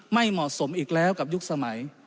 ไม่เหมาะสมอีกแล้วกับยุคสมัย